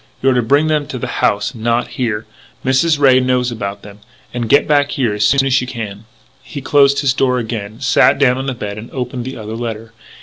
You're to bring them to the house, not here. Mrs. Ray knows about them. And get back here as soon as you can." He closed his door again, sat down on the bed and opened the other letter.